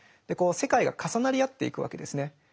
でこう世界が重なりあっていくわけですね。